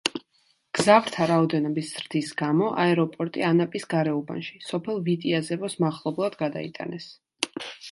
მგზავრთა რაოდენობის ზრდის გამო აეროპორტი ანაპის გარეუბანში, სოფელ ვიტიაზევოს მახლობლად გადაიტანეს.